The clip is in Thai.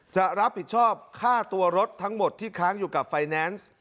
จะรับผิดชอบค่าตัวรถทั้งหมดที่ค้างอยู่กับไฟแนนซ์